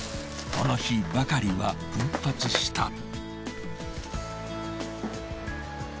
この日ばかりは奮発した。